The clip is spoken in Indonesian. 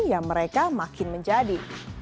ya mereka makin menjadi